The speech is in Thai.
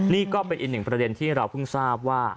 นี่ก็เป็นอีกหนึ่งประเด็นที่เราเพิ่งทราบว่า